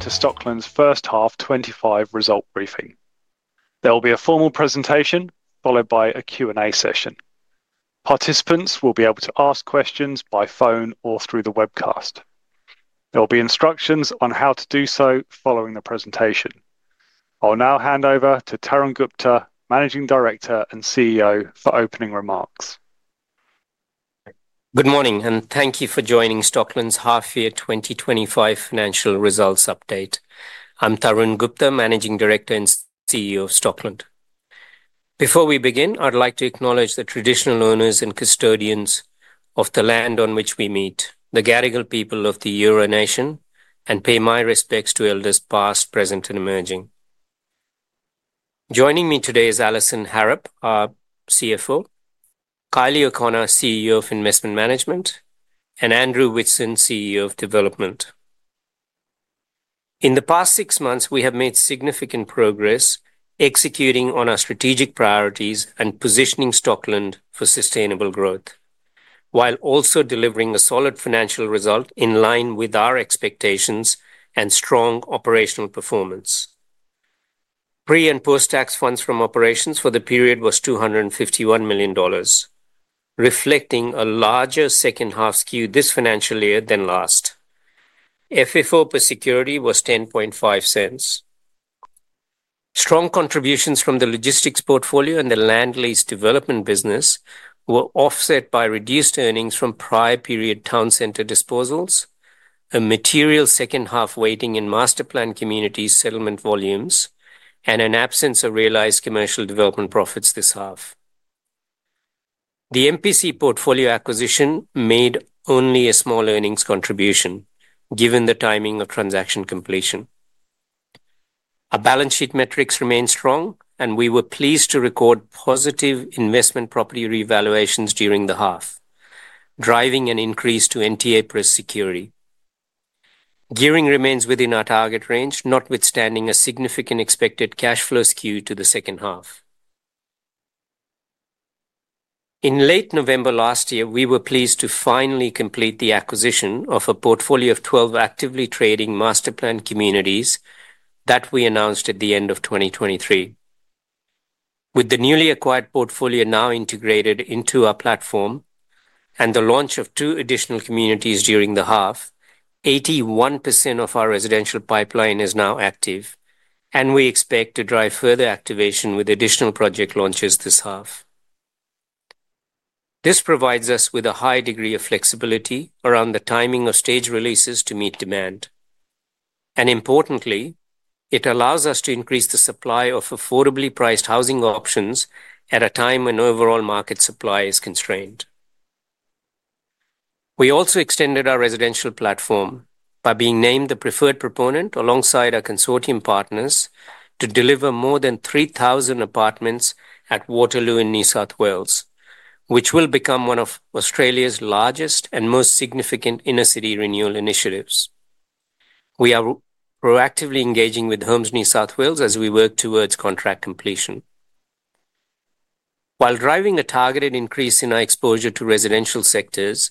Welcome to Stockland's First Half 2025 Result Briefing. There will be a formal presentation followed by a Q&A session. Participants will be able to ask questions by phone or through the webcast. There will be instructions on how to do so following the presentation. I'll now hand over to Tarun Gupta, Managing Director and CEO, for opening remarks. Good morning, and thank you for joining Stockland's Half Year 2025 Financial Results Update. I'm Tarun Gupta, Managing Director and CEO of Stockland. Before we begin, I'd like to acknowledge the traditional owners and custodians of the land on which we meet, the Gadigal people of the Eora Nation, and pay my respects to elders past, present, and emerging. Joining me today is Alison Harrop, CFO, Kylie O'Connor, CEO of Investment Management, and Andrew Whitson, CEO of Development. In the past six months, we have made significant progress executing on our strategic priorities and positioning Stockland for sustainable growth, while also delivering a solid financial result in line with our expectations and strong operational performance. Pre- and post-tax funds from operations for the period was 251 million dollars, reflecting a larger second half skew this financial year than last. FFO per security was 0.105. Strong contributions from the logistics portfolio and the land lease development business were offset by reduced earnings from prior period Town Centre disposals, a material second half weighting in masterplanned communities settlement volumes, and an absence of realized commercial development profits this half. The MPC portfolio acquisition made only a small earnings contribution given the timing of transaction completion. Our balance sheet metrics remained strong, and we were pleased to record positive investment property revaluations during the half, driving an increase to NTA per security. Gearing remains within our target range, notwithstanding a significant expected cash flow skew to the second half. In late November last year, we were pleased to finally complete the acquisition of a portfolio of 12 actively trading masterplanned communities that we announced at the end of 2023. With the newly acquired portfolio now integrated into our platform and the launch of two additional communities during the half, 81% of our residential pipeline is now active, and we expect to drive further activation with additional project launches this half. This provides us with a high degree of flexibility around the timing of stage releases to meet demand. Importantly, it allows us to increase the supply of affordably priced housing options at a time when overall market supply is constrained. We also extended our residential platform by being named the preferred proponent alongside our consortium partners to deliver more than 3,000 apartments at Waterloo in New South Wales, which will become one of Australia's largest and most significant inner city renewal initiatives. We are proactively engaging with Homes New South Wales as we work towards contract completion. While driving a targeted increase in our exposure to residential sectors,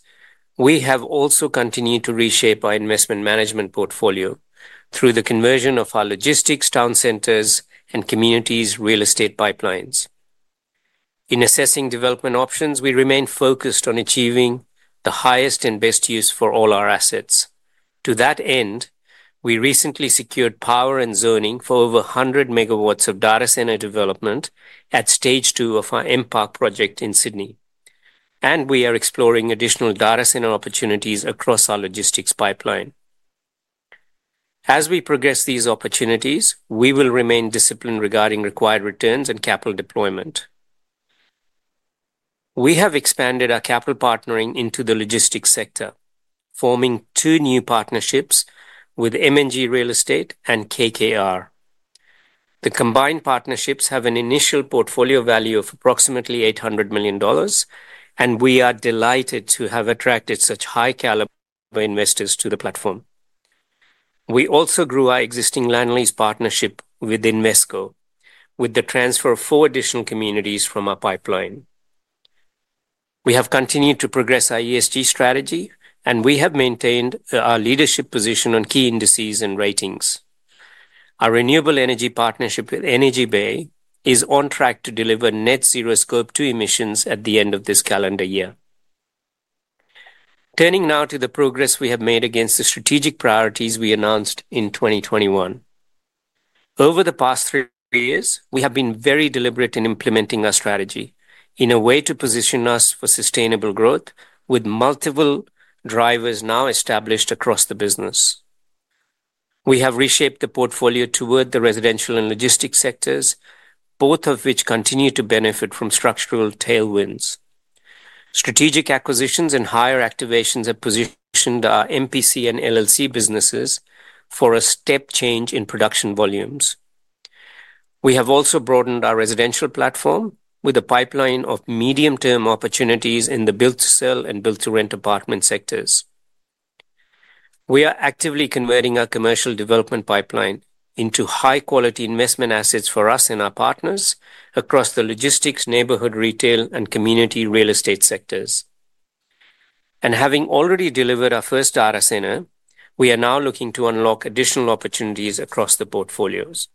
we have also continued to reshape our investment management portfolio through the conversion of our logistics, Town Centres, and communities real estate pipelines. In assessing development options, we remain focused on achieving the highest and best use for all our assets. To that end, we recently secured power and zoning for over 100 MW of data centre development at stage two of our MPark project in Sydney, and we are exploring additional data centre opportunities across our logistics pipeline. As we progress these opportunities, we will remain disciplined regarding required returns and capital deployment. We have expanded our capital partnering into the logistics sector, forming two new partnerships with M&G Real Estate and KKR. The combined partnerships have an initial portfolio value of approximately 800 million dollars, and we are delighted to have attracted such high caliber investors to the platform. We also grew our existing land lease partnership with Invesco with the transfer of four additional communities from our pipeline. We have continued to progress our ESG strategy, and we have maintained our leadership position on key indices and ratings. Our renewable energy partnership with Energy Bay is on track to deliver net zero Scope 2 emissions at the end of this calendar year. Turning now to the progress we have made against the strategic priorities we announced in 2021. Over the past three years, we have been very deliberate in implementing our strategy in a way to position us for sustainable growth with multiple drivers now established across the business. We have reshaped the portfolio toward the residential and logistics sectors, both of which continue to benefit from structural tailwinds. Strategic acquisitions and site activations have positioned our MPC and LLC businesses for a step change in production volumes. We have also broadened our residential platform with a pipeline of medium-term opportunities in the build to sell and build to rent apartment sectors. We are actively converting our commercial development pipeline into high-quality investment assets for us and our partners across the logistics, neighbourhood retail, and community real estate sectors, and having already delivered our first data centre, we are now looking to unlock additional opportunities across the portfolios.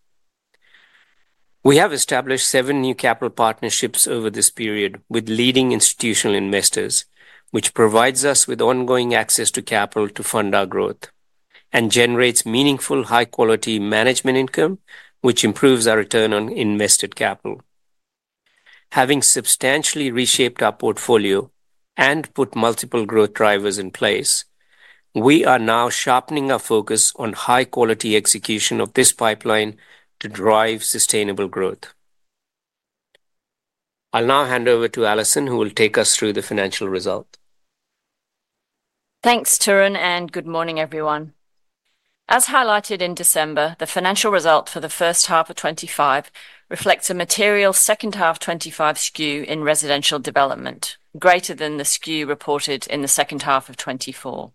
We have established seven new capital partnerships over this period with leading institutional investors, which provides us with ongoing access to capital to fund our growth and generates meaningful high quality management income, which improves our return on invested capital. Having substantially reshaped our portfolio and put multiple growth drivers in place, we are now sharpening our focus on high quality execution of this pipeline to drive sustainable growth. I'll now hand over to Alison, who will take us through the financial result. Thanks, Tarun, and good morning, everyone. As highlighted in December, the financial result for the first half of 2025 reflects a material second half 2025 skew in residential development, greater than the skew reported in the second half of 2024.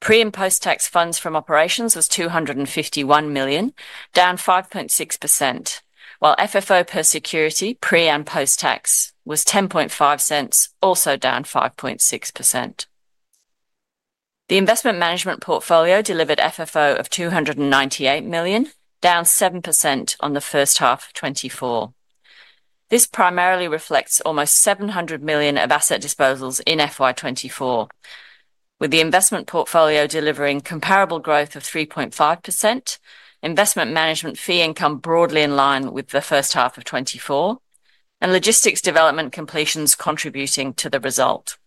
Pre- and post-tax funds from operations was 251 million, down 5.6%, while FFO per security pre- and post-tax was 0.105, also down 5.6%. The investment management portfolio delivered FFO of 298 million, down 7% on the first half of 2024. This primarily reflects almost 700 million of asset disposals in FY2024, with the investment portfolio delivering comparable growth of 3.5%, investment management fee income broadly in line with the first half of 2024, and logistics development completions contributing to the result.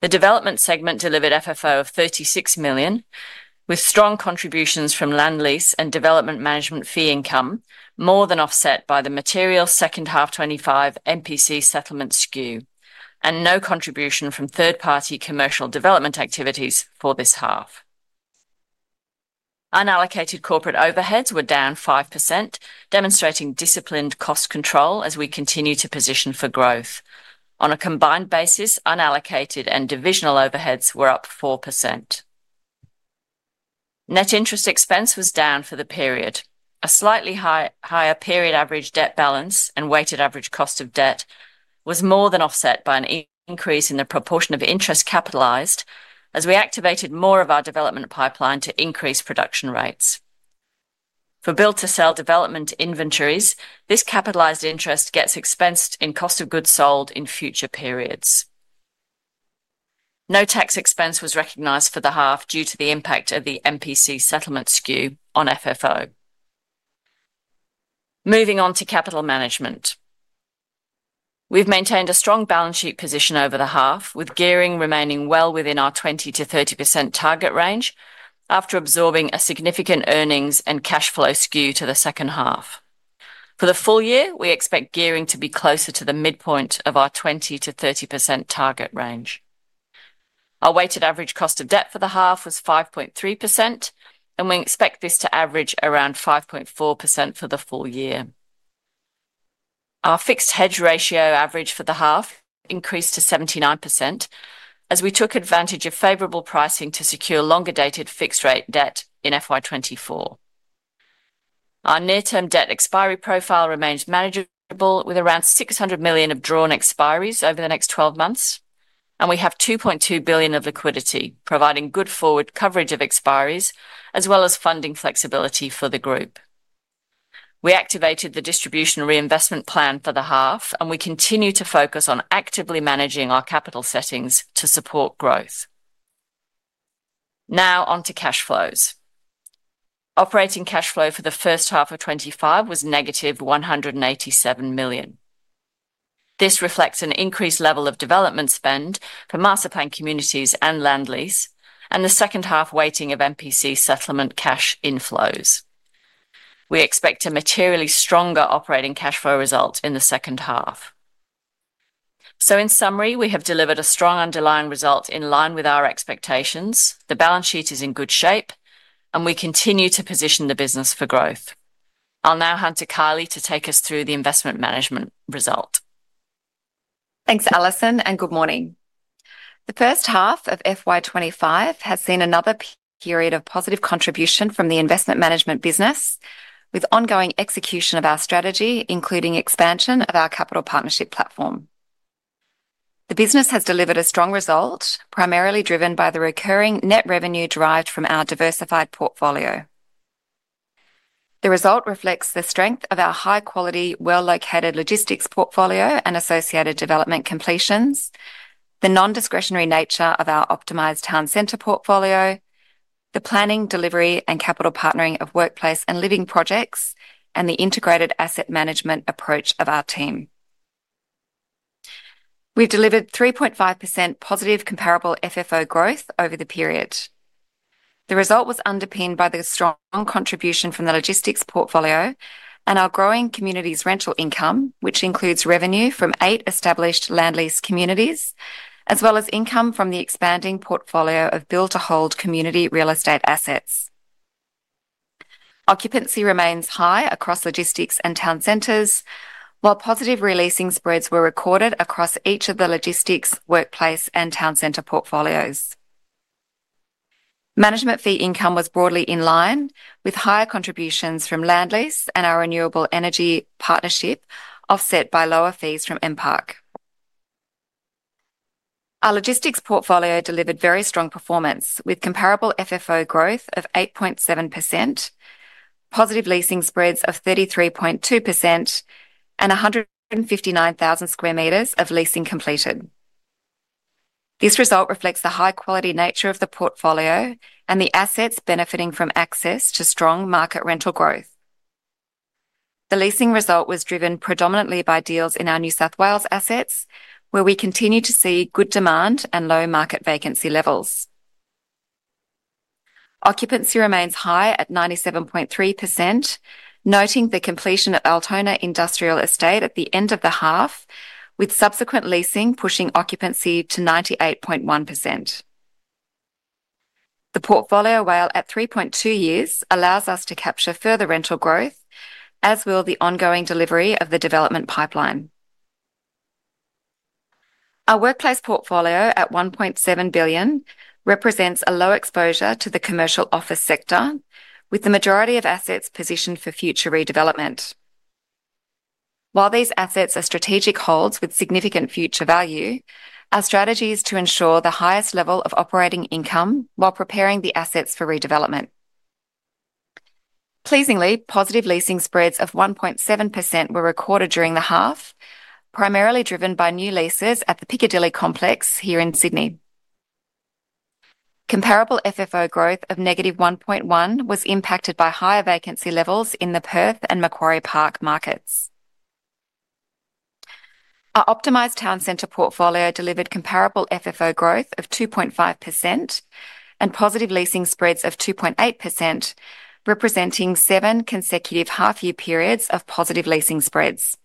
The development segment delivered FFO of 36 million, with strong contributions from land lease and development management fee income, more than offset by the material second half 2025 MPC settlement skew and no contribution from third party commercial development activities for this half. Unallocated corporate overheads were down 5%, demonstrating disciplined cost control as we continue to position for growth. On a combined basis, unallocated and divisional overheads were up 4%. Net interest expense was down for the period. A slightly higher period average debt balance and weighted average cost of debt was more than offset by an increase in the proportion of interest capitalised as we activated more of our development pipeline to increase production rates. For build to sell development inventories, this capitalised interest gets expensed in cost of goods sold in future periods. No tax expense was recognized for the half due to the impact of the MPC settlement skew on FFO. Moving on to capital management, we've maintained a strong balance sheet position over the half, with gearing remaining well within our 20%-30% target range after absorbing a significant earnings and cash flow skew to the second half. For the full year, we expect gearing to be closer to the midpoint of our 20%-30% target range. Our weighted average cost of debt for the half was 5.3%, and we expect this to average around 5.4% for the full year. Our fixed hedge ratio average for the half increased to 79% as we took advantage of favorable pricing to secure longer dated fixed rate debt in FY2024. Our near-term debt expiry profile remains manageable with around 600 million of drawn expiries over the next 12 months, and we have 2.2 billion of liquidity providing good forward coverage of expiries as well as funding flexibility for the group. We activated the Distribution Reinvestment Plan for the half, and we continue to focus on actively managing our capital settings to support growth. Now on to cash flows. Operating cash flow for the first half of 2025 was -187 million. This reflects an increased level of development spend for masterplanned communities and land lease, and the second half weighting of MPC settlement cash inflows. We expect a materially stronger operating cash flow result in the second half. So in summary, we have delivered a strong underlying result in line with our expectations. The balance sheet is in good shape, and we continue to position the business for growth. I'll now hand to Kylie to take us through the investment management result. Thanks, Alison, and good morning. The first half of FY2025 has seen another period of positive contribution from the investment management business with ongoing execution of our strategy, including expansion of our capital partnership platform. The business has delivered a strong result, primarily driven by the recurring net revenue derived from our diversified portfolio. The result reflects the strength of our high quality, well-located logistics portfolio and associated development completions, the non-discretionary nature of our optimized Town Centre portfolio, the planning, delivery, and capital partnering of workplace and living projects, and the integrated asset management approach of our team. We've delivered 3.5% positive comparable FFO growth over the period. The result was underpinned by the strong contribution from the logistics portfolio and our growing communities rental income, which includes revenue from eight established land lease communities, as well as income from the expanding portfolio of built to hold community real estate assets. Occupancy remains high across logistics and Town Centres, while positive re-leasing spreads were recorded across each of the logistics, workplace, and Town Centre portfolios. Management fee income was broadly in line with higher contributions from land lease and our renewable energy partnership, offset by lower fees from MPark. Our logistics portfolio delivered very strong performance with comparable FFO growth of 8.7%, positive leasing spreads of 33.2%, and 159,000 sq m of leasing completed. This result reflects the high quality nature of the portfolio and the assets benefiting from access to strong market rental growth. The leasing result was driven predominantly by deals in our New South Wales assets, where we continue to see good demand and low market vacancy levels. Occupancy remains high at 97.3%, noting the completion of Altona Industrial Estate at the end of the half, with subsequent leasing pushing occupancy to 98.1%. The portfolio, while at 3.2 years, allows us to capture further rental growth, as will the ongoing delivery of the development pipeline. Our workplace portfolio at 1.7 billion represents a low exposure to the commercial office sector, with the majority of assets positioned for future redevelopment. While these assets are strategic holds with significant future value, our strategy is to ensure the highest level of operating income while preparing the assets for redevelopment. Pleasingly, positive leasing spreads of 1.7% were recorded during the half, primarily driven by new leases at the Piccadilly Complex here in Sydney. Comparable FFO growth of -1.1% was impacted by higher vacancy levels in the Perth and Macquarie Park markets. Our optimized Town Centre portfolio delivered comparable FFO growth of 2.5% and positive leasing spreads of 2.8%, representing seven consecutive half year periods of positive leasing spreads.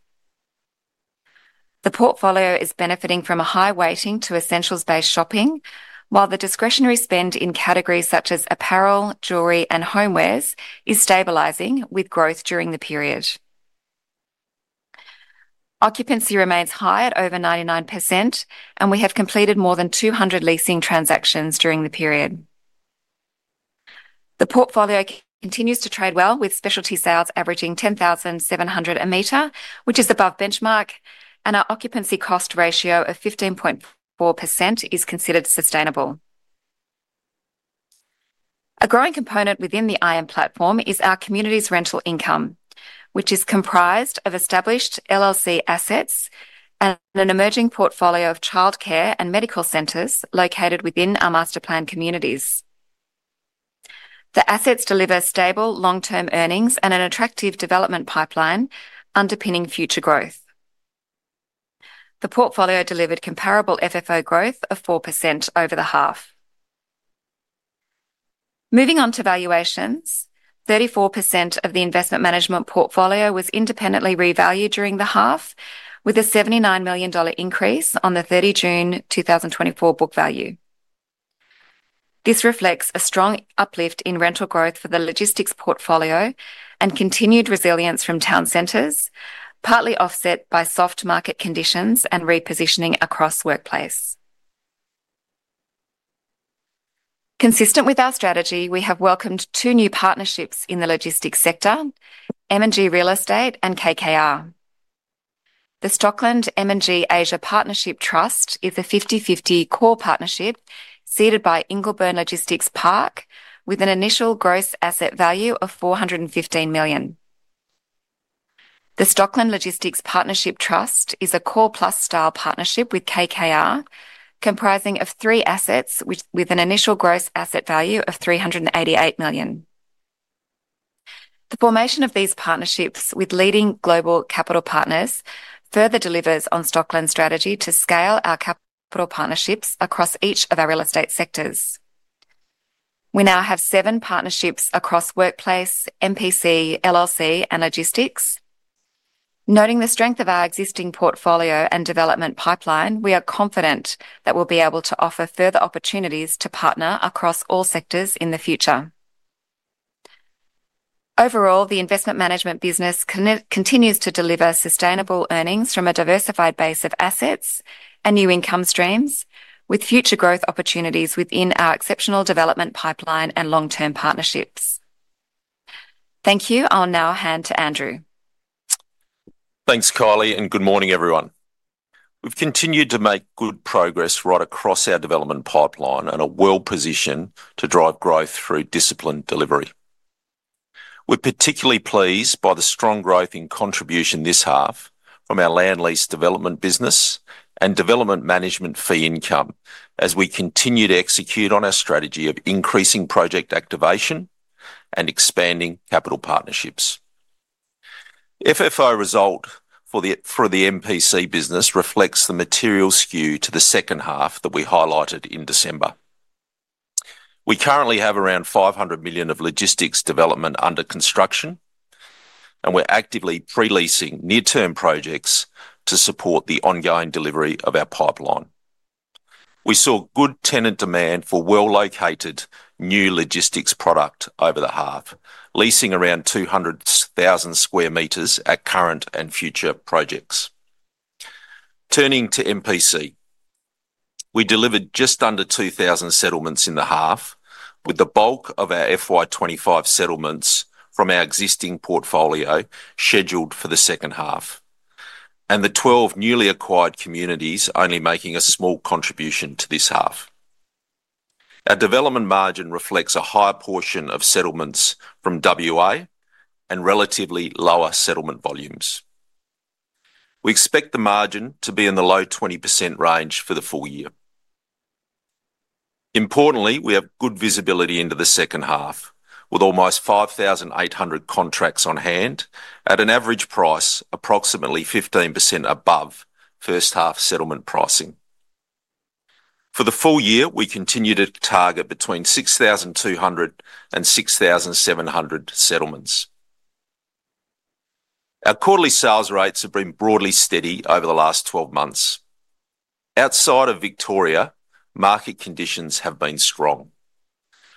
The portfolio is benefiting from a high weighting to essentials based shopping, while the discretionary spend in categories such as apparel, jewelry, and homewares is stabilizing with growth during the period. Occupancy remains high at over 99%, and we have completed more than 200 leasing transactions during the period. The portfolio continues to trade well, with specialty sales averaging 10,700 a meter, which is above benchmark, and our occupancy cost ratio of 15.4% is considered sustainable. A growing component within the IM platform is our communities rental income, which is comprised of established LLC assets and an emerging portfolio of childcare and medical centres located within our masterplanned communities. The assets deliver stable long term earnings and an attractive development pipeline underpinning future growth. The portfolio delivered comparable FFO growth of 4% over the half. Moving on to valuations, 34% of the investment management portfolio was independently revalued during the half, with a AUD 79 million increase on the 30 June 2024 book value. This reflects a strong uplift in rental growth for the logistics portfolio and continued resilience from Town Centres, partly offset by soft market conditions and repositioning across workplace. Consistent with our strategy, we have welcomed two new partnerships in the logistics sector, M&G Real Estate and KKR. The Stockland M&G Asia Partnership Trust is a 50/50 core partnership seeded by Ingleburn Logistics Park, with an initial gross asset value of AUD 415 million. The Stockland Logistics Partnership Trust is a core plus style partnership with KKR, comprising of three assets, with an initial gross asset value of 388 million. The formation of these partnerships with leading global capital partners further delivers on Stockland strategy to scale our capital partnerships across each of our real estate sectors. We now have seven partnerships across workplace, MPC, LLC, and logistics. Noting the strength of our existing portfolio and development pipeline, we are confident that we'll be able to offer further opportunities to partner across all sectors in the future. Overall, the investment management business continues to deliver sustainable earnings from a diversified base of assets and new income streams, with future growth opportunities within our exceptional development pipeline and long term partnerships. Thank you. I'll now hand to Andrew. Thanks, Kylie, and good morning, everyone. We've continued to make good progress right across our development pipeline and are well positioned to drive growth through disciplined delivery. We're particularly pleased by the strong growth in contribution this half from our land lease development business and development management fee income as we continue to execute on our strategy of increasing project activation and expanding capital partnerships. FFO result for the MPC business reflects the material skew to the second half that we highlighted in December. We currently have around 500 million of logistics development under construction, and we're actively pre-leasing near term projects to support the ongoing delivery of our pipeline. We saw good tenant demand for well located new logistics product over the half, leasing around 200,000 square meters at current and future projects. Turning to MPC, we delivered just under 2,000 settlements in the half, with the bulk of our FY2025 settlements from our existing portfolio scheduled for the second half, and the 12 newly acquired communities only making a small contribution to this half. Our development margin reflects a high portion of settlements from WA and relatively lower settlement volumes. We expect the margin to be in the low 20% range for the full year. Importantly, we have good visibility into the second half, with almost 5,800 contracts on hand at an average price approximately 15% above first half settlement pricing. For the full year, we continue to target between 6,200 and 6,700 settlements. Our quarterly sales rates have been broadly steady over the last 12 months. Outside of Victoria, market conditions have been strong.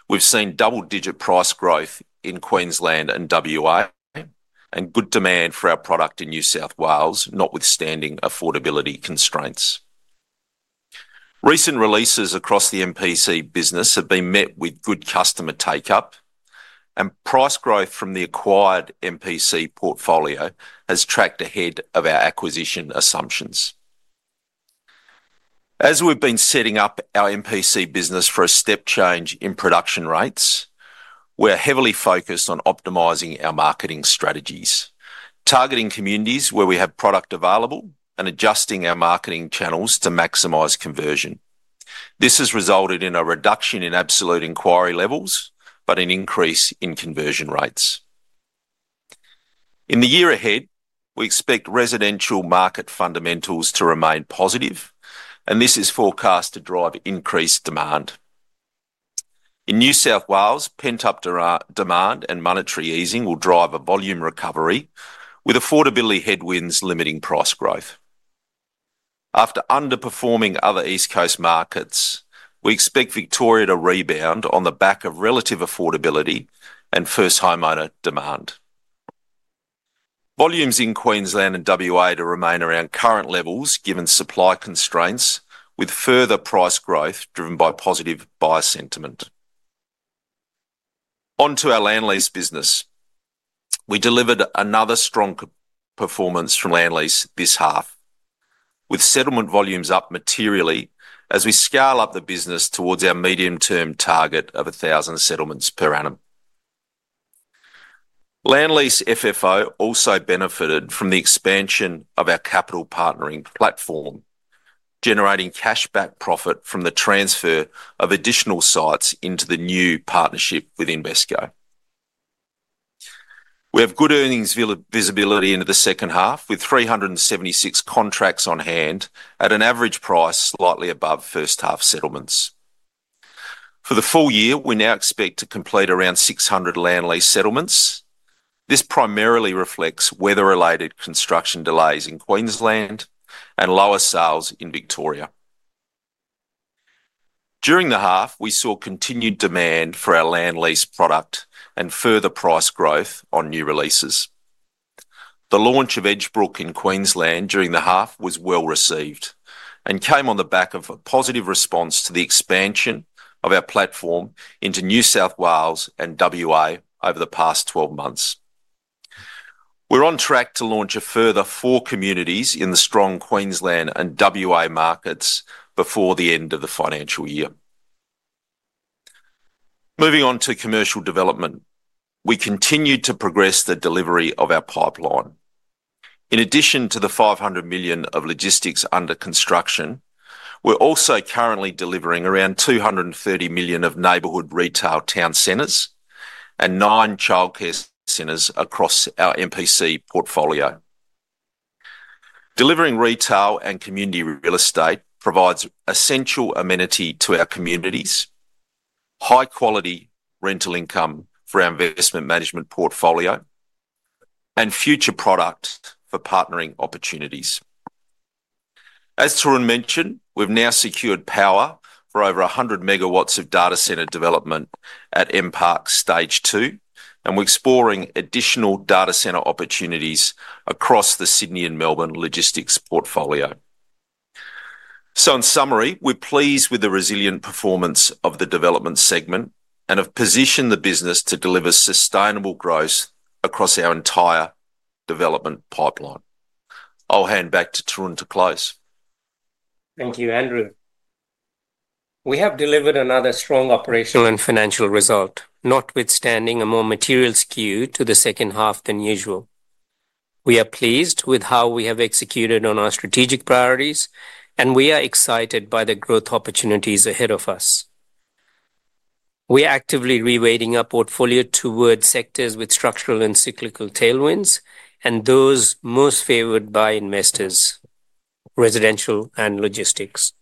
We've seen double-digit price growth in Queensland and WA, and good demand for our product in New South Wales, notwithstanding affordability constraints. Recent releases across the MPC business have been met with good customer take-up, and price growth from the acquired MPC portfolio has tracked ahead of our acquisition assumptions. As we've been setting up our MPC business for a step change in production rates, we're heavily focused on optimizing our marketing strategies, targeting communities where we have product available and adjusting our marketing channels to maximize conversion. This has resulted in a reduction in absolute inquiry levels, but an increase in conversion rates. In the year ahead, we expect residential market fundamentals to remain positive, and this is forecast to drive increased demand. In New South Wales, pent-up demand and monetary easing will drive a volume recovery, with affordability headwinds limiting price growth. After underperforming other East Coast markets, we expect Victoria to rebound on the back of relative affordability and first homeowner demand. Volumes in Queensland and WA to remain around current levels given supply constraints, with further price growth driven by positive buyer sentiment. Onto our land lease business. We delivered another strong performance from land lease this half, with settlement volumes up materially as we scale up the business towards our medium term target of 1,000 settlements per annum. Land lease FFO also benefited from the expansion of our capital partnering platform, generating cashback profit from the transfer of additional sites into the new partnership with Invesco. We have good earnings visibility into the second half, with 376 contracts on hand at an average price slightly above first half settlements. For the full year, we now expect to complete around 600 land lease settlements. This primarily reflects weather related construction delays in Queensland and lower sales in Victoria. During the half, we saw continued demand for our land lease product and further price growth on new releases. The launch of Edgebrook in Queensland during the half was well received and came on the back of a positive response to the expansion of our platform into New South Wales and WA over the past 12 months. We're on track to launch a further four communities in the strong Queensland and WA markets before the end of the financial year. Moving on to commercial development, we continued to progress the delivery of our pipeline. In addition to the 500 million of logistics under construction, we're also currently delivering around 230 million of neighborhood retail town centres and nine childcare centres across our MPC portfolio. Delivering retail and community real estate provides essential amenity to our communities, high-quality rental income for our investment management portfolio, and future product for partnering opportunities. As Tarun mentioned, we've now secured power for over 100 MW of data centre development at MPark Stage 2, and we're exploring additional data centre opportunities across the Sydney and Melbourne logistics portfolio. So, in summary, we're pleased with the resilient performance of the development segment and have positioned the business to deliver sustainable growth across our entire development pipeline. I'll hand back to Tarun to close. Thank you, Andrew. We have delivered another strong operational and financial result, notwithstanding a more material skew to the second half than usual. We are pleased with how we have executed on our strategic priorities, and we are excited by the growth opportunities ahead of us. We are actively reweighting our portfolio towards sectors with structural and cyclical tailwinds and those most favored by investors, residential and logistics.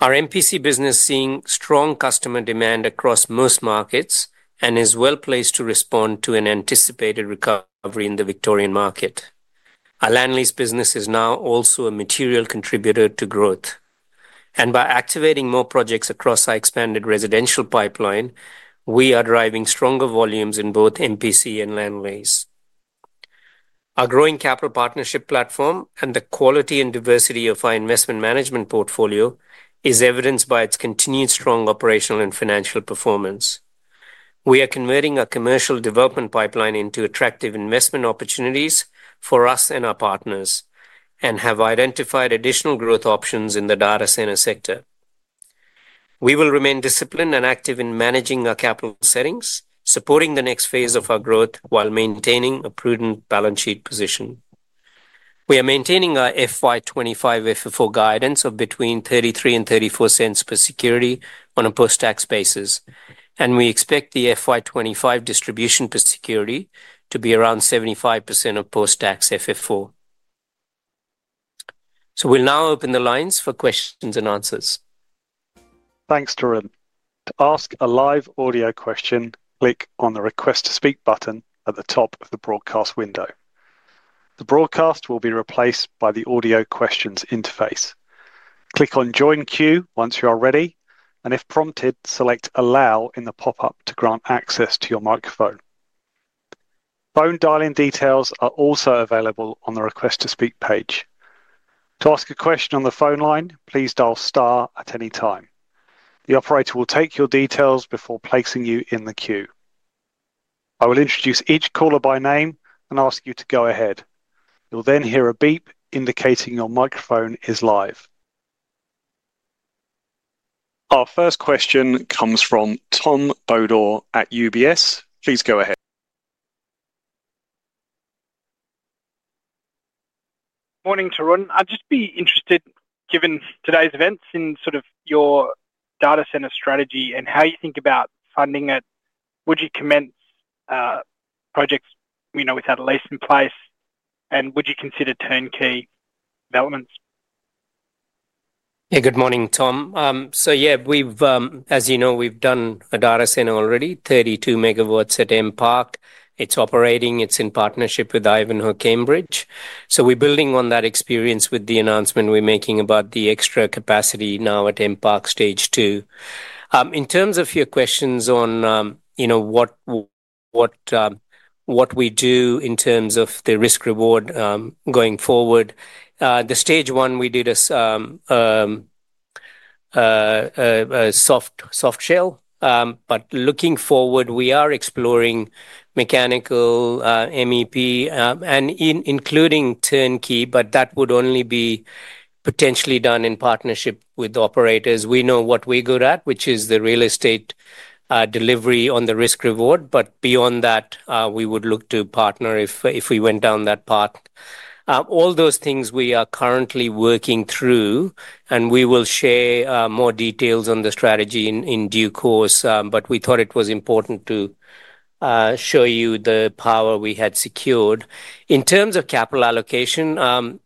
Our MPC business is seeing strong customer demand across most markets and is well placed to respond to an anticipated recovery in the Victorian market. Our land lease business is now also a material contributor to growth, and by activating more projects across our expanded residential pipeline, we are driving stronger volumes in both MPC and land lease. Our growing capital partnership platform and the quality and diversity of our investment management portfolio is evidenced by its continued strong operational and financial performance. We are converting our commercial development pipeline into attractive investment opportunities for us and our partners and have identified additional growth options in the data centre sector. We will remain disciplined and active in managing our capital settings, supporting the next phase of our growth while maintaining a prudent balance sheet position. We are maintaining our FY2025 FFO guidance of between 0.33 and 0.34 per security on a post-tax basis, and we expect the FY25 distribution per security to be around 75% of post-tax FFO. We'll now open the lines for questions and answers. Thanks, Tarun. To ask a live audio question, click on the Request to Speak button at the top of the broadcast window. The broadcast will be replaced by the audio questions interface. Click on Join Queue once you are ready, and if prompted, select Allow in the pop-up to grant access to your microphone. Phone dialing details are also available on the Request to Speak page. To ask a question on the phone line, please dial star at any time. The operator will take your details before placing you in the queue. I will introduce each caller by name and ask you to go ahead. You'll then hear a beep indicating your microphone is live. Our first question comes from Tom Beadle at UBS. Please go ahead. Morning, Tarun. I'd just be interested, given today's events in sort of your data centre strategy and how you think about funding it, would you commence projects without a lease in place, and would you consider turnkey developments? Yeah, good morning, Tom. So, yeah, as you know, we've done a data centre already, 32 MW at MPark. It's operating. It's in partnership with Ivanhoe Cambridge. So, we're building on that experience with the announcement we're making about the extra capacity MPark Stage 2. In terms of your questions on what we do in terms of the risk-reward going forward, the Stage 1, we did a soft shell, but looking forward, we are exploring mechanical MEP and including turnkey, but that would only be potentially done in partnership with operators. We know what we're good at, which is the real estate delivery on the risk-reward, but beyond that, we would look to partner if we went down that path. All those things we are currently working through, and we will share more details on the strategy in due course, but we thought it was important to show you the power we had secured. In terms of capital allocation,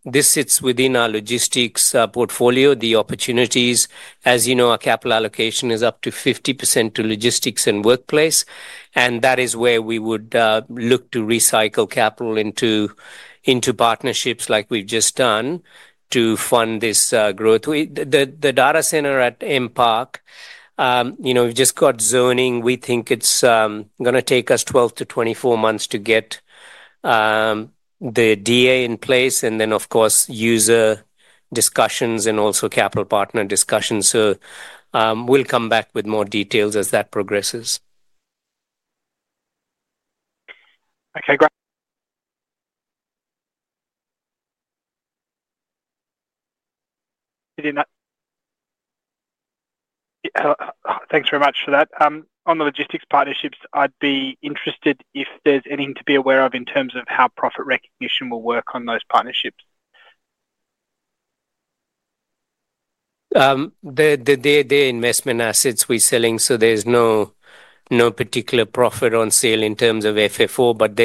this sits within our logistics portfolio, the opportunities. As you know, our capital allocation is up to 50% to logistics and workplace, and that is where we would look to recycle capital into partnerships like we've just done to fund this growth. The data centre at MPark, we've just got zoning. We think it's going to take us 12-24 months to get the DA in place and then, of course, user discussions and also capital partner discussions. So, we'll come back with more details as that progresses. Okay, great. Thanks very much for that. On the logistics partnerships, I'd be interested if there's anything to be aware of in terms of how profit recognition will work on those partnerships. They're investment assets we're selling, so there's no particular profit on sale in terms of FFO, but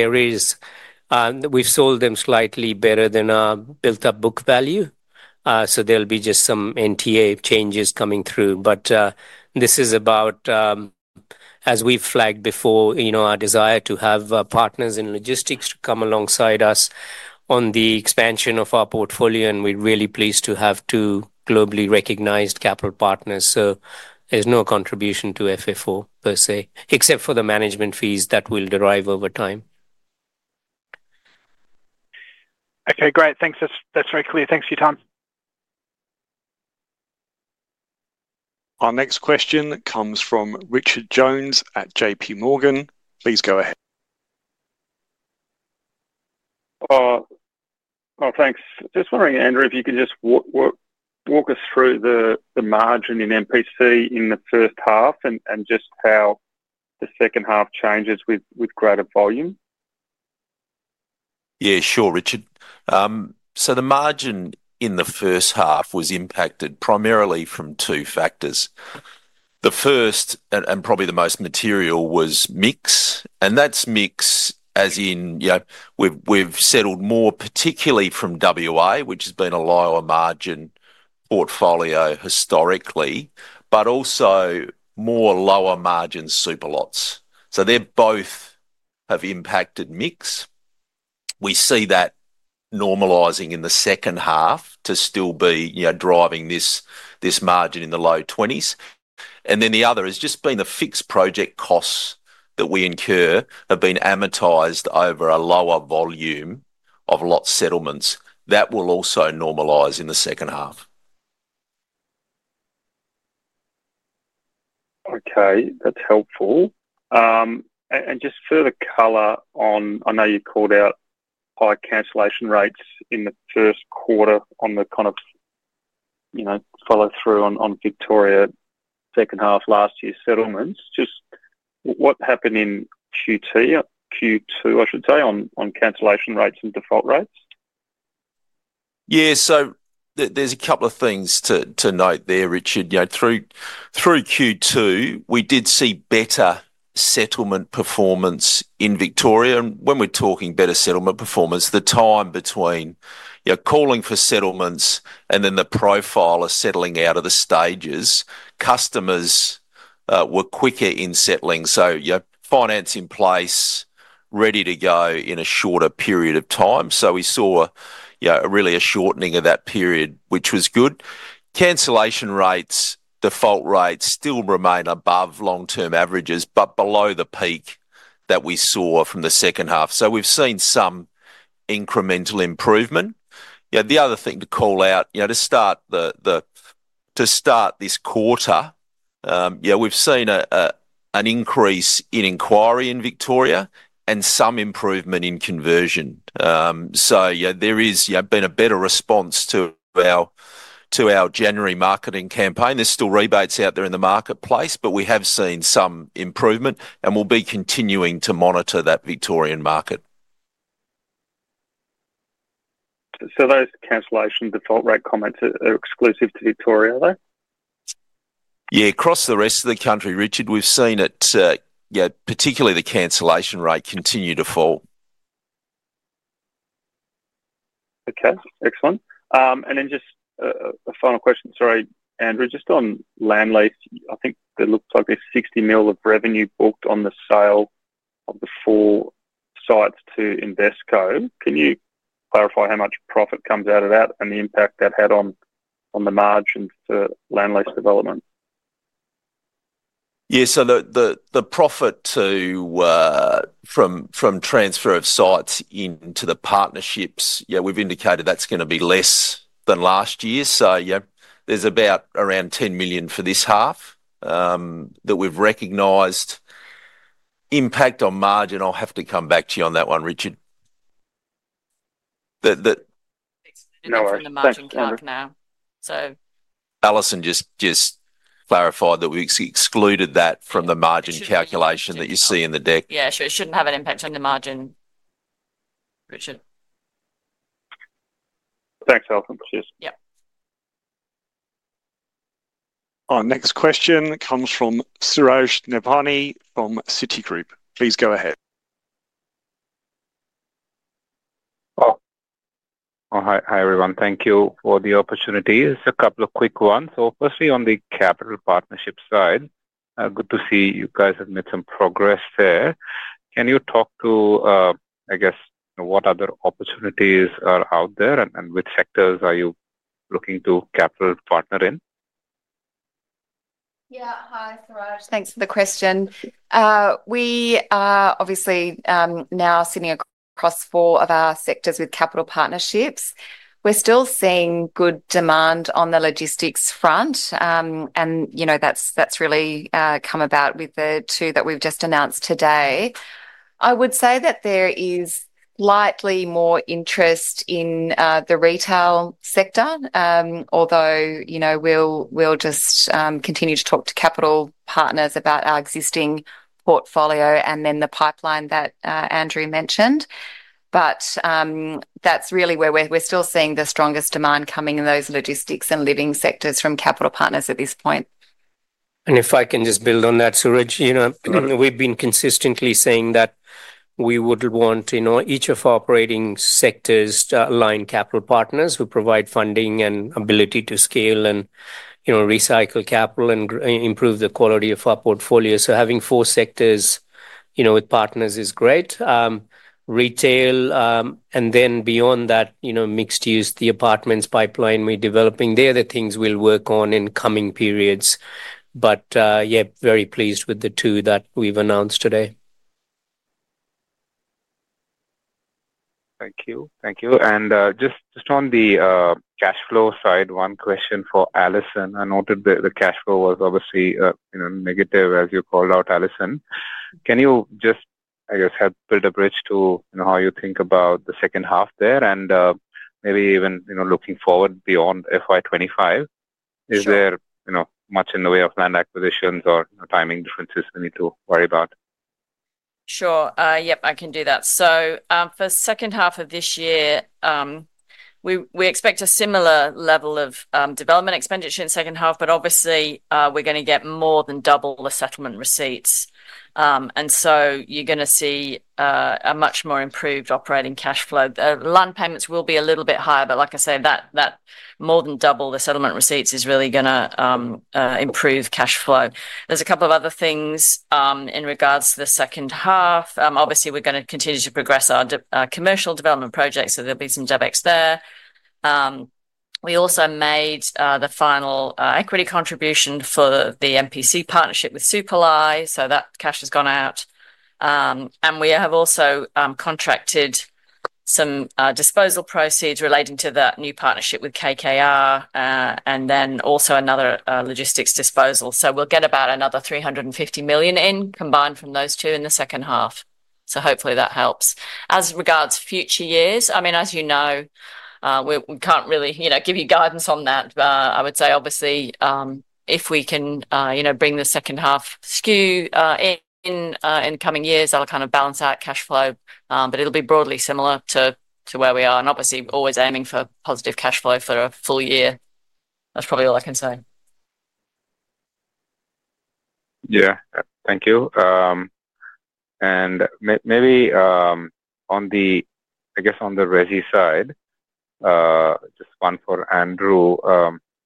we've sold them slightly better than our built-up book value. So, there'll be just some NTA changes coming through. But this is about, as we've flagged before, our desire to have partners in logistics come alongside us on the expansion of our portfolio, and we're really pleased to have two globally recognized capital partners. So, there's no contribution to FFO per se, except for the management fees that will derive over time. Okay, great. Thanks. That's very clear. Thanks for your time. Our next question comes from Richard Jones at J.P. Morgan. Please go ahead. Thanks. Just wondering, Andrew, if you could just walk us through the margin in MPC in the first half and just how the second half changes with greater volume? Yeah, sure, Richard. So, the margin in the first half was impacted primarily from two factors. The first, and probably the most material, was mix. And that's mix as in we've settled more, particularly from WA, which has been a lower margin portfolio historically, but also more lower margin superlots. So, they both have impacted mix. We see that normalizing in the second half to still be driving this margin in the low 20s. And then the other has just been the fixed project costs that we incur have been amortized over a lower volume of lot settlements. That will also normalize in the second half. Okay, that's helpful. And just further color on, I know you called out high cancellation rates in the first quarter on the kind of follow-through on Victoria second half last year's settlements. Just what happened in Q2, I should say, on cancellation rates and default rates? Yeah, so there's a couple of things to note there, Richard. Through Q2, we did see better settlement performance in Victoria. And when we're talking better settlement performance, the time between calling for settlements and then the profile of settling out of the stages, customers were quicker in settling. So, financing in place, ready to go in a shorter period of time. So, we saw really a shortening of that period, which was good. Cancellation rates, default rates still remain above long-term averages, but below the peak that we saw from the second half. So, we've seen some incremental improvement. The other thing to call out, to start this quarter, we've seen an increase in inquiry in Victoria and some improvement in conversion. So, there has been a better response to our January marketing campaign. There's still rebates out there in the marketplace, but we have seen some improvement and we'll be continuing to monitor that Victorian market. So, those cancellation default rate comments are exclusive to Victoria, are they? Yeah, across the rest of the country, Richard, we've seen it, particularly the cancellation rate continue to fall. Okay, excellent. And then just a final question. Sorry, Andrew, just on land lease, I think it looks like there's 60 million of revenue booked on the sale of the four sites to Invesco. Can you clarify how much profit comes out of that and the impact that had on the margin for land lease development? Yeah, so the profit from transfer of sites into the partnerships, yeah, we've indicated that's going to be less than last year. So, yeah, there's about around 10 million for this half that we've recognized. Impact on margin, I'll have to come back to you on that one, Richard. No worries. It's in the margin calc now. So. Alison just clarified that we've excluded that from the margin calculation that you see in the deck. Yeah, sure. It shouldn't have an impact on the margin, Richard. Thanks, Alison. Cheers. Yep. Our next question comes from Suraj Nebhani from Citigroup. Please go ahead. Hi everyone. Thank you for the opportunity. Just a couple of quick ones. So, firstly, on the capital partnership side, good to see you guys have made some progress there. Can you talk to, I guess, what other opportunities are out there and which sectors are you looking to capital partner in? Thanks for the question. We are obviously now sitting across four of our sectors with capital partnerships. We're still seeing good demand on the logistics front, and that's really come about with the two that we've just announced today. I would say that there is slightly more interest in the retail sector, although we'll just continue to talk to capital partners about our existing portfolio and then the pipeline that Andrew mentioned. But that's really where we're still seeing the strongest demand coming in those logistics and living sectors from capital partners at this point. If I can just build on that, Suraj, we've been consistently saying that we would want each of our operating sectors to align capital partners who provide funding and ability to scale and recycle capital and improve the quality of our portfolio. Having four sectors with partners is great. Retail, and then beyond that, mixed-use, the apartments pipeline we're developing, they're the things we'll work on in coming periods. Yeah, very pleased with the two that we've announced today. Thank you. Thank you. And just on the cash flow side, one question for Alison. I noted the cash flow was obviously negative, as you called out, Alison. Can you just, I guess, help build a bridge to how you think about the second half there and maybe even looking forward beyond FY2025? Is there much in the way of land acquisitions or timing differences we need to worry about? Sure. Yep, I can do that. So, for the second half of this year, we expect a similar level of development expenditure in the second half, but obviously, we're going to get more than double the settlement receipts. And so, you're going to see a much more improved operating cash flow. The land payments will be a little bit higher, but like I say, that more than double the settlement receipts is really going to improve cash flow. There's a couple of other things in regards to the second half. Obviously, we're going to continue to progress our commercial development projects, so there'll be some debits there. We also made the final equity contribution for the MPC partnership with Supalai. So, that cash has gone out. And we have also contracted some disposal proceeds relating to that new partnership with KKR and then also another logistics disposal. So, we'll get about another 350 million in combined from those two in the second half. So, hopefully, that helps. As regards future years, I mean, as you know, we can't really give you guidance on that. I would say, obviously, if we can bring the second half skew in in the coming years, that'll kind of balance out cash flow, but it'll be broadly similar to where we are, and obviously, always aiming for positive cash flow for a full year. That's probably all I can say. Yeah, thank you. And maybe, I guess, on the Resi side, just one for Andrew.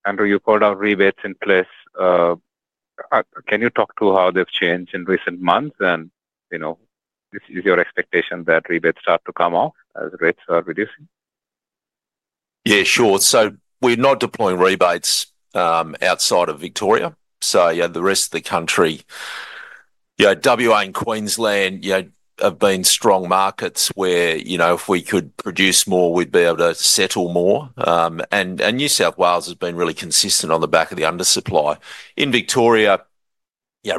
Andrew, you called out rebates in place. Can you talk to how they've changed in recent months? And is your expectation that rebates start to come off as rates are reducing? Yeah, sure. So, we're not deploying rebates outside of Victoria. So, yeah, the rest of the country, WA and Queensland have been strong markets where if we could produce more, we'd be able to settle more. And New South Wales has been really consistent on the back of the undersupply. In Victoria,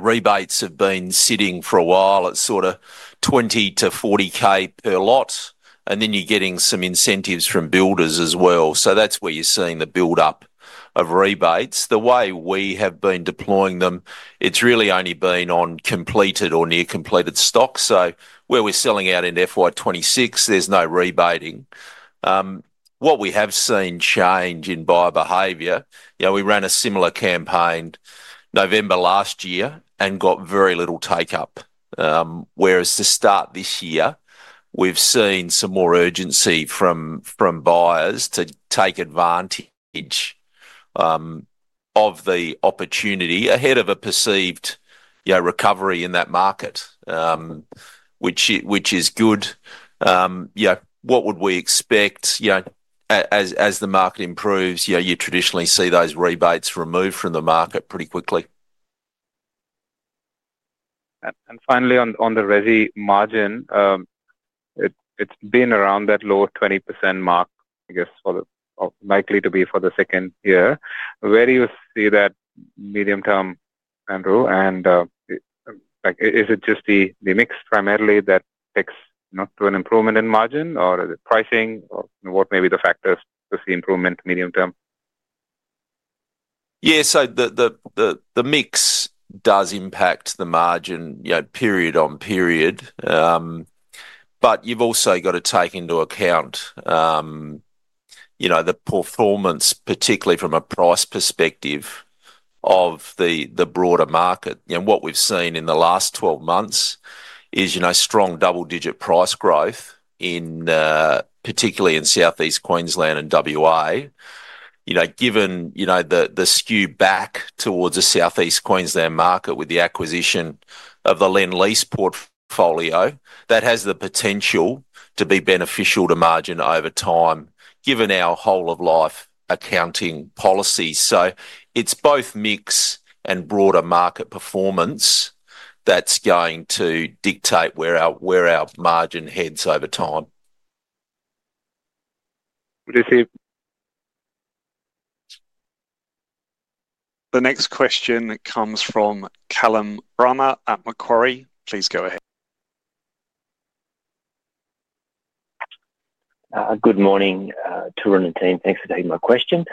rebates have been sitting for a while at sort of 20,000-40,000 per lot, and then you're getting some incentives from builders as well. So, that's where you're seeing the build-up of rebates. The way we have been deploying them, it's really only been on completed or near-completed stock. So, where we're selling out in FY2026, there's no rebating. What we have seen change in buyer behavior, we ran a similar campaign November last year and got very little take-up. Whereas to start this year, we've seen some more urgency from buyers to take advantage of the opportunity ahead of a perceived recovery in that market, which is good. What would we expect as the market improves? You traditionally see those rebates removed from the market pretty quickly. Finally, on the Resi margin, it's been around that low 20% mark, I guess, likely to be for the second year. Where do you see that medium term, Andrew? And is it just the mix primarily that takes to an improvement in margin, or is it pricing? What may be the factors to see improvement medium term? Yeah, so the mix does impact the margin period on period. But you've also got to take into account the performance, particularly from a price perspective of the broader market. What we've seen in the last 12 months is strong double-digit price growth, particularly in Southeast Queensland and WA. Given the skew back towards the Southeast Queensland market with the acquisition of the Lendlease portfolio, that has the potential to be beneficial to margin over time, given our whole-of-life accounting policy. So, it's both mix and broader market performance that's going to dictate where our margin heads over time. The next question comes from Callum Bramah at Macquarie. Please go ahead. Good morning, Tarun and team. Thanks for taking my question.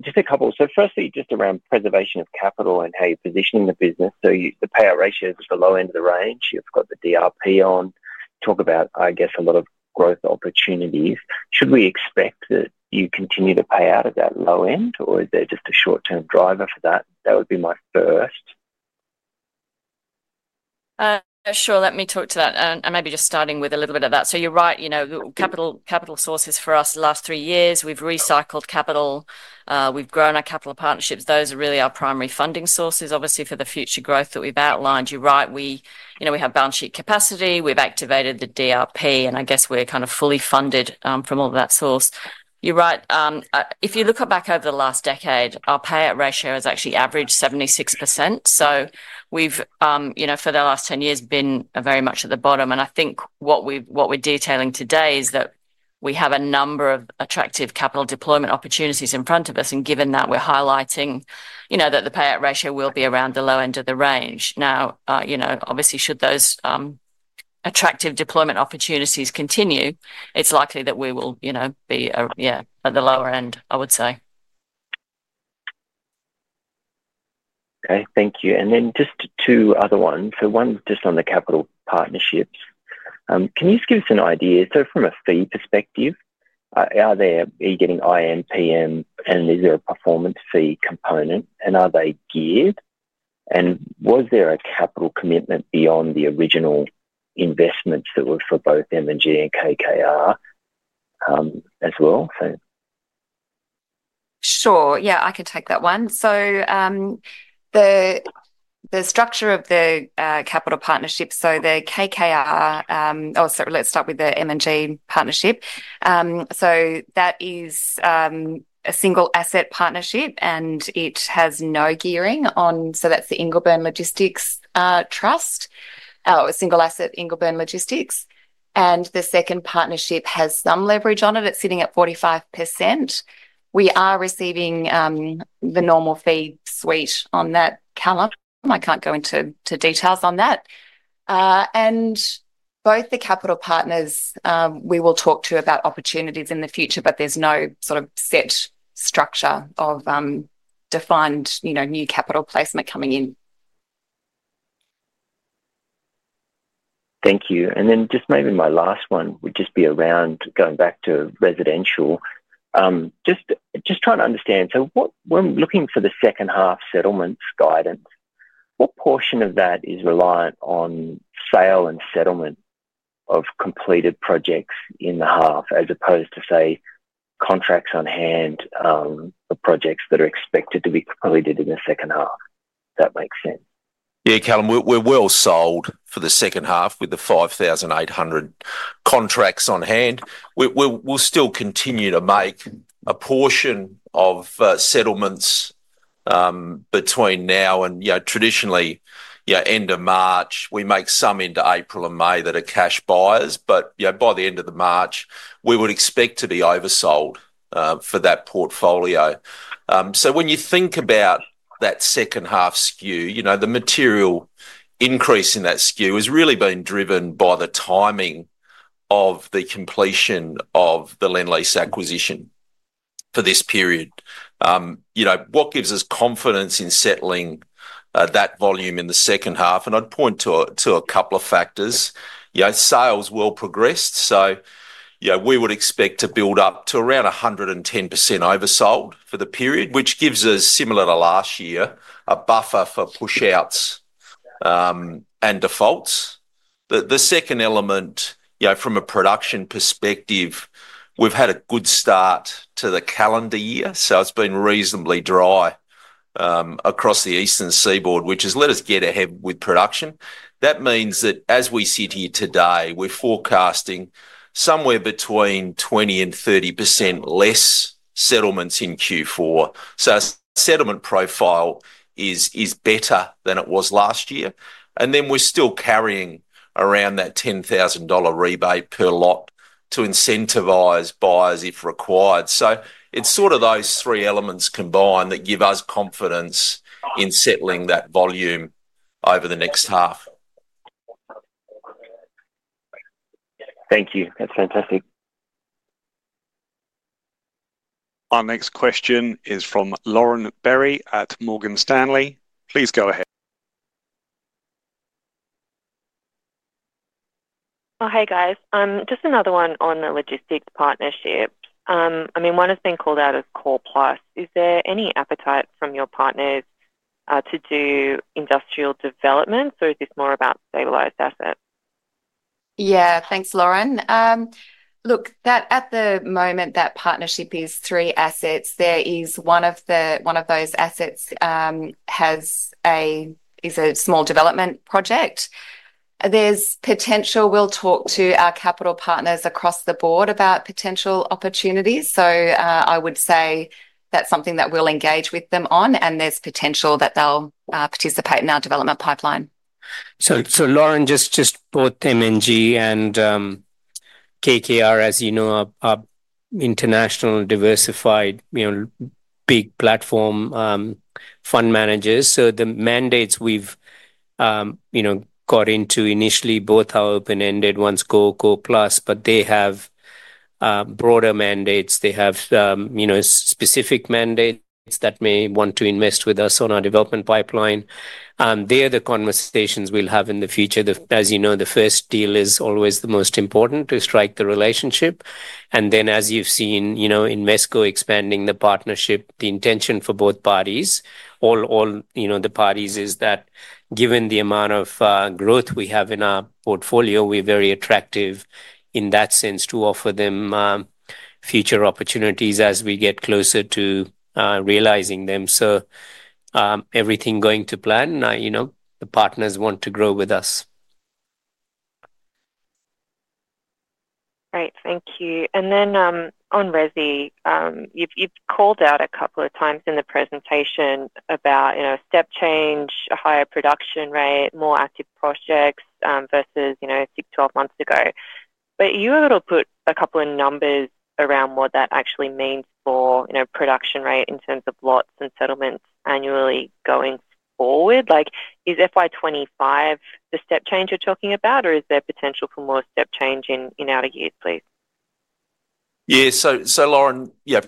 Just a couple of, so firstly, just around preservation of capital and how you're positioning the business. So, the payout ratio is at the low end of the range. You've got the DRP on. Talk about, I guess, a lot of growth opportunities. Should we expect that you continue to pay out at that low end, or is there just a short-term driver for that? That would be my first. Sure. Let me talk to that, and maybe just starting with a little bit of that. So, you're right. Capital sources for us the last three years. We've recycled capital. We've grown our capital partnerships. Those are really our primary funding sources, obviously, for the future growth that we've outlined. You're right. We have balance sheet capacity. We've activated the DRP, and I guess we're kind of fully funded from all that source. You're right. If you look back over the last decade, our payout ratio has actually averaged 76%. So, we've, for the last 10 years, been very much at the bottom, and I think what we're detailing today is that we have a number of attractive capital deployment opportunities in front of us, and given that, we're highlighting that the payout ratio will be around the low end of the range. Now, obviously, should those attractive deployment opportunities continue, it's likely that we will be at the lower end, I would say. Okay. Thank you. And then just two other ones. So, one's just on the capital partnerships. Can you just give us an idea? So, from a fee perspective, are you getting IM/PM, and is there a performance fee component? And are they geared? And was there a capital commitment beyond the original investments that were for both M&G and KKR as well? Sure. Yeah, I can take that one. So, the structure of the capital partnership, so, the KKR, or let's start with the M&G partnership. So, that is a single-asset partnership, and it has no gearing on, so, that's the Ingleburn Logistics Trust, a single-asset Ingleburn Logistics. And the second partnership has some leverage on it. It's sitting at 45%. We are receiving the normal fee suite on that column. I can't go into details on that. And both the capital partners, we will talk to about opportunities in the future, but there's no sort of set structure of defined new capital placement coming in. Thank you. And then just maybe my last one would just be around going back to residential. Just trying to understand, so when looking for the second half settlements guidance, what portion of that is reliant on sale and settlement of completed projects in the half, as opposed to, say, contracts on hand for projects that are expected to be completed in the second half? If that makes sense. Yeah, Callum, we're well sold for the second half with the 5,800 contracts on hand. We'll still continue to make a portion of settlements between now and, traditionally, end of March. We make some into April and May that are cash buyers. But by the end of March, we would expect to be oversold for that portfolio. So, when you think about that second half skew, the material increase in that skew has really been driven by the timing of the completion of the Lendlease acquisition for this period. What gives us confidence in settling that volume in the second half? And I'd point to a couple of factors. Sales will progress. So, we would expect to build up to around 110% oversold for the period, which gives us, similar to last year, a buffer for push-outs and defaults. The second element, from a production perspective, we've had a good start to the calendar year. So, it's been reasonably dry across the eastern seaboard, which has let us get ahead with production. That means that as we sit here today, we're forecasting somewhere between 20%-30% less settlements in Q4. So, our settlement profile is better than it was last year. And then we're still carrying around that 10,000 dollar rebate per lot to incentivize buyers if required. So, it's sort of those three elements combined that give us confidence in settling that volume over the next half. Thank you. That's fantastic. Our next question is from Lauren Berry at Morgan Stanley. Please go ahead. Hi, guys. Just another one on the logistics partnerships. I mean, one has been called out as core-plus. Is there any appetite from your partners to do industrial development, or is this more about stabilized assets? Yeah. Thanks, Lauren. Look, at the moment, that partnership is three assets. One of those assets is a small development project. There's potential. We'll talk to our capital partners across the board about potential opportunities. So, I would say that's something that we'll engage with them on, and there's potential that they'll participate in our development pipeline. So, Lauren just brought M&G and KKR, as you know, are international, diversified, big platform fund managers. So, the mandates we've got into initially, both are open-ended, one's core-plus, but they have broader mandates. They have specific mandates that may want to invest with us on our development pipeline. They're the conversations we'll have in the future. As you know, the first deal is always the most important to strike the relationship. And then, as you've seen in Invesco expanding the partnership, the intention for both parties, all the parties, is that given the amount of growth we have in our portfolio, we're very attractive in that sense to offer them future opportunities as we get closer to realizing them. So, everything going to plan. The partners want to grow with us. Great. Thank you. And then on Resi, you've called out a couple of times in the presentation about step change, a higher production rate, more active projects versus 12 months ago. But you were able to put a couple of numbers around what that actually means for production rate in terms of lots and settlements annually going forward. Is FY2025 the step change you're talking about, or is there potential for more step change in outer years, please? Yeah. So, Lauren, yeah,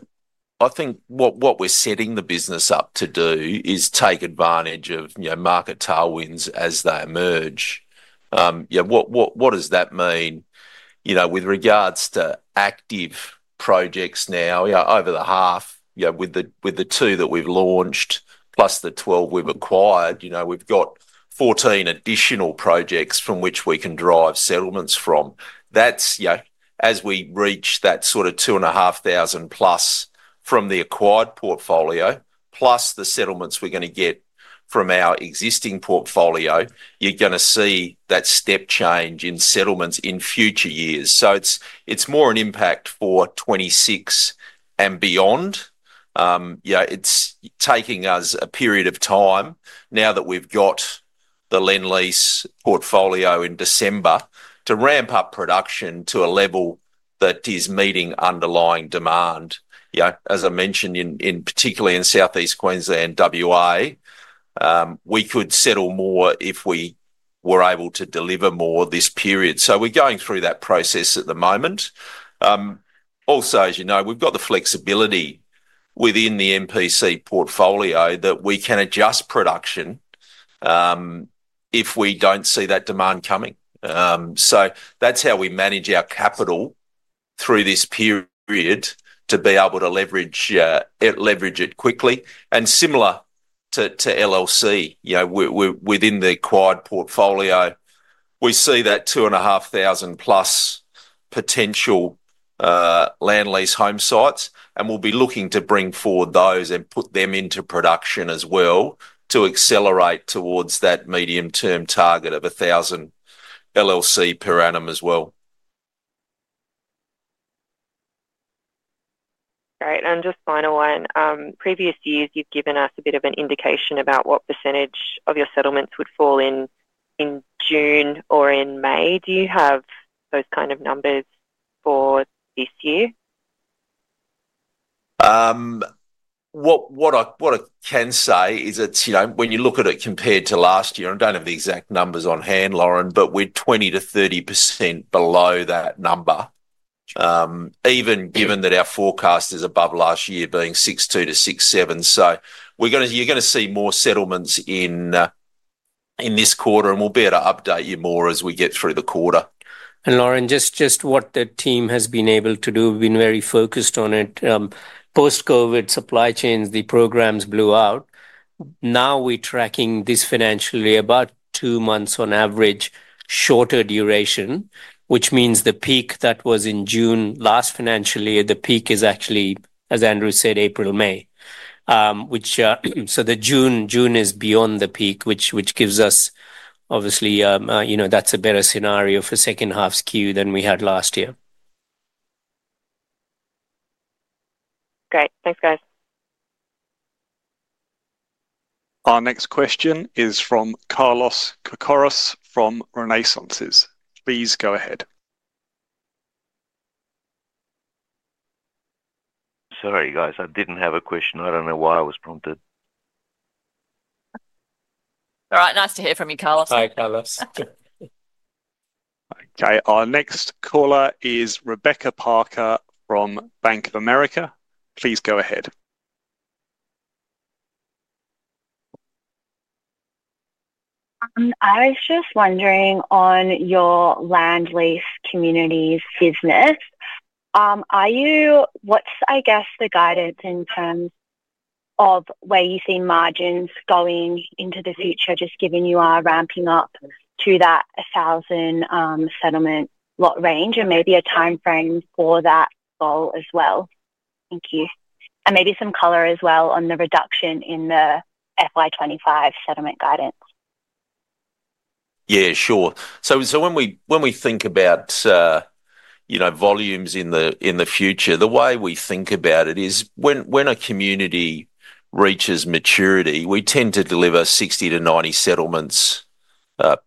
I think what we're setting the business up to do is take advantage of market tailwinds as they emerge. What does that mean? With regards to active projects now, over the half, with the two that we've launched, plus the 12 we've acquired, we've got 14 additional projects from which we can drive settlements from. As we reach that sort of 2,500+ from the acquired portfolio, plus the settlements we're going to get from our existing portfolio, you're going to see that step change in settlements in future years. So, it's more an impact for 2026 and beyond. It's taking us a period of time now that we've got the Lendlease portfolio in December to ramp up production to a level that is meeting underlying demand. As I mentioned, particularly in Southeast Queensland, WA, we could settle more if we were able to deliver more this period. So, we're going through that process at the moment. Also, as you know, we've got the flexibility within the MPC portfolio that we can adjust production if we don't see that demand coming. So, that's how we manage our capital through this period to be able to leverage it quickly. And similar to LLC, within the acquired portfolio, we see that 2,500+ potential Lendlease home sites, and we'll be looking to bring forward those and put them into production as well to accelerate towards that medium-term target of 1,000 LLC per annum as well. Great. And just final one. Previous years, you've given us a bit of an indication about what percentage of your settlements would fall in June or in May. Do you have those kind of numbers for this year? What I can say is that when you look at it compared to last year, I don't have the exact numbers on hand, Lauren, but we're 20%-30% below that number, even given that our forecast is above last year being 62%-67%. So, you're going to see more settlements in this quarter, and we'll be able to update you more as we get through the quarter. Lauren, just what the team has been able to do, we've been very focused on it. Post-COVID, supply chains, the programs blew out. Now we're tracking this financial year, about two months on average, shorter duration, which means the peak that was in June last financial year, the peak is actually, as Andrew said, April, May, so the June is beyond the peak, which gives us, obviously, that's a better scenario for second half skew than we had last year. Great. Thanks, guys. Our next question is from Carlos Cocaro from Renaissance. Please go ahead. Sorry, guys. I didn't have a question. I don't know why I was prompted. All right. Nice to hear from you, Carlos. Hi, Carlos. Okay. Our next caller is Rebecca Parker from Bank of America. Please go ahead. I was just wondering on your land lease communities business, what's, I guess, the guidance in terms of where you see margins going into the future, just given you are ramping up to that 1,000 settlement lot range and maybe a timeframe for that goal as well? Thank you. And maybe some color as well on the reduction in the FY2025 settlement guidance. Yeah, sure. So, when we think about volumes in the future, the way we think about it is when a community reaches maturity, we tend to deliver 60-90 settlements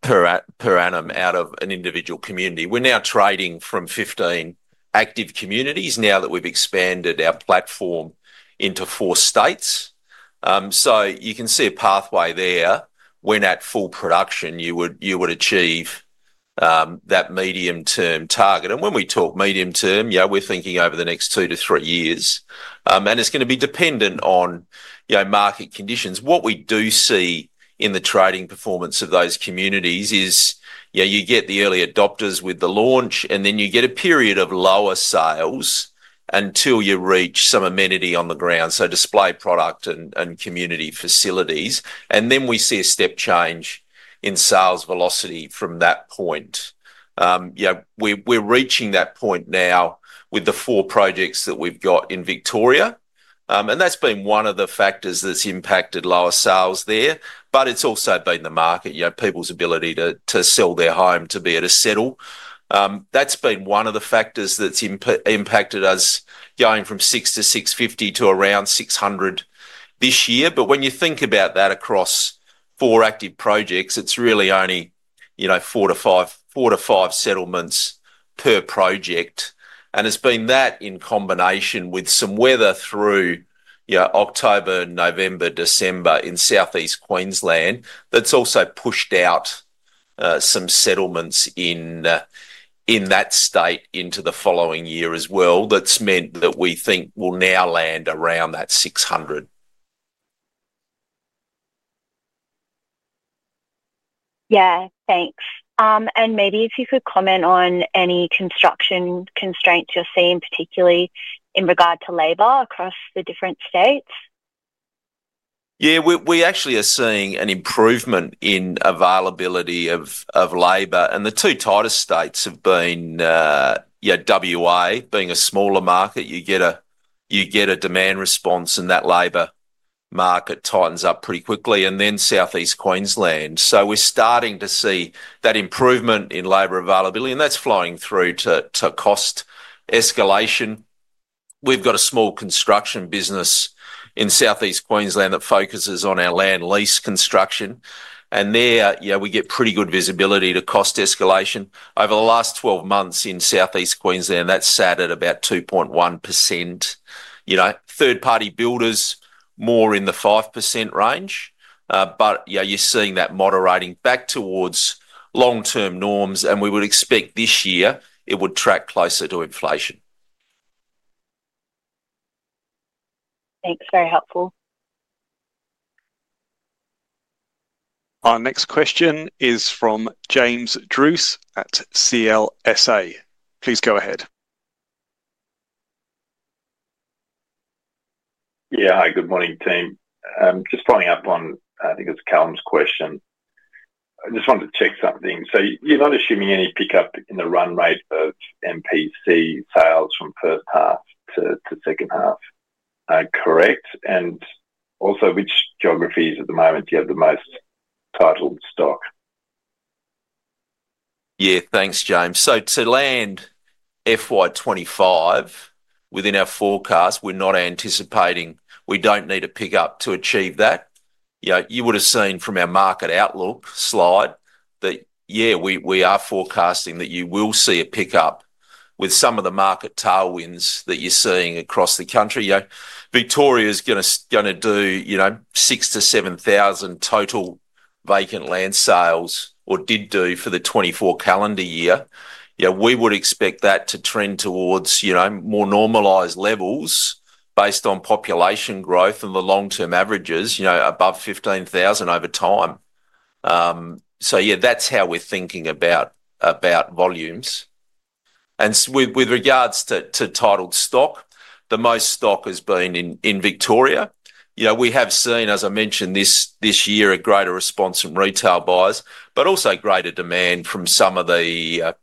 per annum out of an individual community. We're now trading from 15 active communities now that we've expanded our platform into four states. So, you can see a pathway there when at full production you would achieve that medium-term target. And when we talk medium-term, we're thinking over the next two to three years. And it's going to be dependent on market conditions. What we do see in the trading performance of those communities is you get the early adopters with the launch, and then you get a period of lower sales until you reach some amenity on the ground, so display product and community facilities. And then we see a step change in sales velocity from that point. We're reaching that point now with the four projects that we've got in Victoria, and that's been one of the factors that's impacted lower sales there, but it's also been the market, people's ability to sell their home to be able to settle. That's been one of the factors that's impacted us going from 650 to around 600 this year. But when you think about that across four active projects, it's really only four to five settlements per project. And it's been that in combination with some weather through October, November, December in Southeast Queensland that's also pushed out some settlements in that state into the following year as well. That's meant that we think we'll now land around that 600. Yeah. Thanks. And maybe if you could comment on any construction constraints you're seeing, particularly in regard to labor across the different states? Yeah. We actually are seeing an improvement in availability of labor. And the two tightest states have been WA, being a smaller market. You get a demand response, and that labor market tightens up pretty quickly, and then Southeast Queensland. So, we're starting to see that improvement in labor availability, and that's flowing through to cost escalation. We've got a small construction business in Southeast Queensland that focuses on our land lease construction. And there, we get pretty good visibility to cost escalation. Over the last 12 months in Southeast Queensland, that's sat at about 2.1%. Third-party builders, more in the 5% range. But you're seeing that moderating back towards long-term norms, and we would expect this year it would track closer to inflation. Thanks. Very helpful. Our next question is from James Druce at CLSA. Please go ahead. Yeah. Hi, good morning, team. Just following up on, I think it's Callum's question. I just wanted to check something. So, you're not assuming any pickup in the run rate of MPC sales from first half to second half, correct? And also, which geographies at the moment do you have the most titled stock? Yeah. Thanks, James. So, to land FY2025 within our forecast, we're not anticipating we don't need a pickup to achieve that. You would have seen from our market outlook slide that, yeah, we are forecasting that you will see a pickup with some of the market tailwinds that you're seeing across the country. Victoria is going to do 6,000-7,000 total vacant land sales, or did do, for the 2024 calendar year. We would expect that to trend towards more normalised levels based on population growth and the long-term averages, above 15,000 over time. So, yeah, that's how we're thinking about volumes. And with regards to titled stock, the most stock has been in Victoria. We have seen, as I mentioned, this year, a greater response from retail buyers, but also greater demand from some of the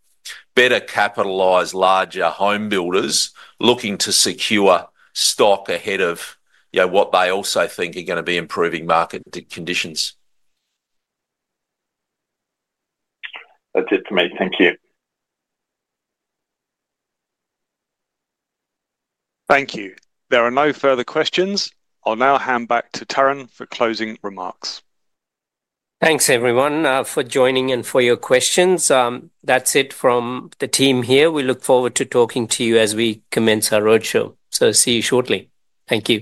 better capitalized, larger home builders looking to secure stock ahead of what they also think are going to be improving market conditions. That's it for me. Thank you. Thank you. There are no further questions. I'll now hand back to Tarun for closing remarks. Thanks, everyone, for joining and for your questions. That's it from the team here. We look forward to talking to you as we commence our roadshow. So, see you shortly. Thank you.